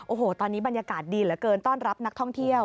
โอ้โหตอนนี้บรรยากาศดีเหลือเกินต้อนรับนักท่องเที่ยว